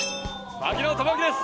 槙野智章です